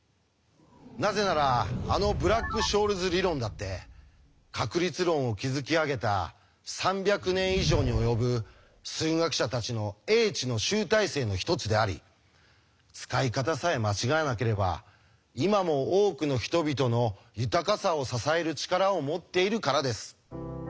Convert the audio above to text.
なぜならあのブラック・ショールズ理論だって確率論を築き上げた３００年以上に及ぶ数学者たちの英知の集大成の一つであり使い方さえ間違えなければ今も多くの人々の豊かさを支える力を持っているからです。